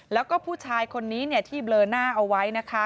แล้วก็ผู้ชายคนนี้ที่เบลอหน้าเอาไว้นะคะ